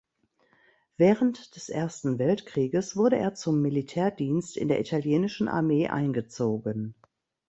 Während des Ersten Weltkrieges wurde er zum Militärdienst in der italienischen Armee eingezogen.